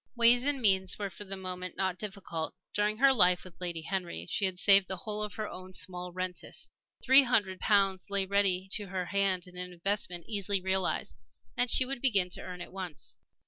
Ways and means were for the moment not difficult. During her life with Lady Henry she had saved the whole of her own small rentes. Three hundred pounds lay ready to her hand in an investment easily realized. And she would begin to earn at once.